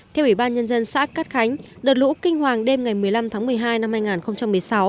theo ủy ban nhân dân xã cát khánh đợt lũ kinh hoàng đêm ngày một mươi năm tháng một mươi hai năm hai nghìn một mươi sáu